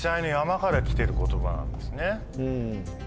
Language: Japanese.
うん。